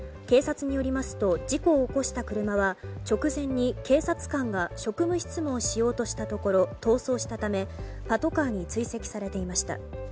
警察によりますと事故を起こした車は直前に警察官が職務質問しようとしたところ逃走したためパトカーに追跡されていました。